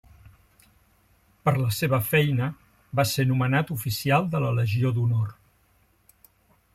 Per la seva feina, va ser nomenat Oficial de la Legió d'Honor.